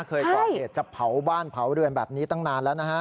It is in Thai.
เคยก่อเหตุจะเผาบ้านเผาเรือนแบบนี้ตั้งนานแล้วนะฮะ